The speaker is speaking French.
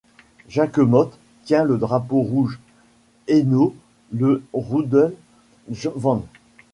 Jacquemotte tient le Drapeau Rouge, Hennaut le Roode Vaan.